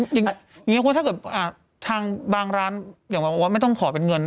อย่างนี้คุณถ้าเกิดทางบางร้านอย่างบอกว่าไม่ต้องขอเป็นเงิน